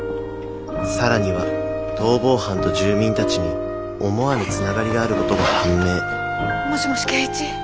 更には逃亡犯と住民たちに思わぬつながりがあることが判明もしもし恵一？